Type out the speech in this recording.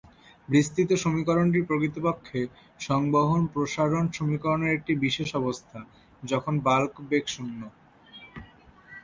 বিস্তৃতি সমীকরণটি প্রকৃতপক্ষে সংবহন-প্রসারণ সমীকরণের একটি বিশেষ অবস্থা, যখন বাল্ক বেগ শূন্য।